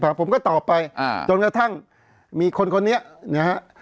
ผมก็ตอบไปจนกระทั่งมีคนคนนี้นะครับ